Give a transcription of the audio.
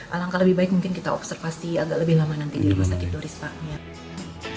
alangkah lebih baik mungkin kita observasi agak lebih lama nanti di rumah sakit doris pak